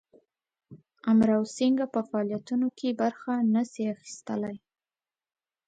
امراو سینګه په فعالیتونو کې برخه نه سي اخیستلای.